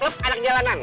ketua klub anak jalanan